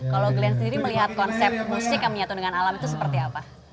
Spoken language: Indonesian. kalau glenn sendiri melihat konsep musik yang menyatu dengan alam itu seperti apa